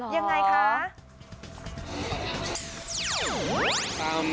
ยังไงคะ